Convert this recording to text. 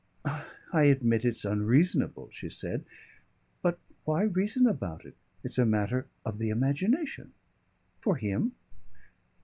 "I admit it's unreasonable," she said. "But why reason about it? It's a matter of the imagination " "For him?"